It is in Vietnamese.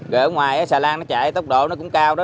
rồi ở ngoài cái xà lan nó chạy tốc độ nó cũng cao đó